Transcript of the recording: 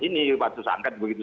ini pansus angket begitu